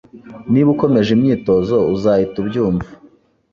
Niba ukomeje imyitozo, uzahita ubyumva.